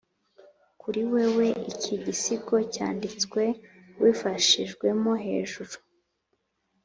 kuri wewe iki gisigo cyanditswe, ubifashijwemo hejuru,